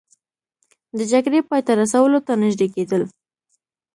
د جګړې پای ته رسولو ته نژدې کیدل